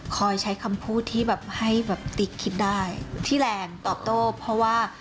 คอยใช้คำพูดที่แบบให้แบบติ๊กคิดได้ที่แรงตอบโต้เพราะว่า